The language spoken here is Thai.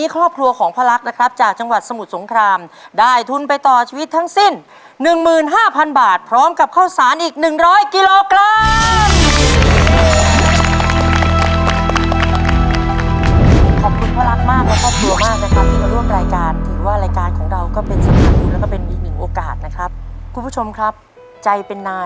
ครอบครัวต้องใช้ตังค์ก็ต้องปูเขา